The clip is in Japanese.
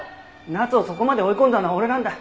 奈津をそこまで追い込んだのは俺なんだ。